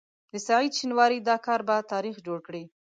د سعید شینواري دا کار به تاریخ جوړ کړي.